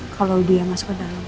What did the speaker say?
kalau dia masuk ke dalam